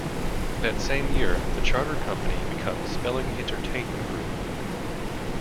That same year the Charter Company becomes Spelling Entertainment Group.